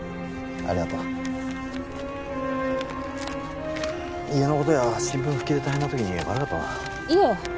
ありがとう家のことや新聞復帰で大変な時に悪かったないえ